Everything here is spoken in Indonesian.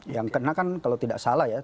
yang kena kan kalau tidak salah ya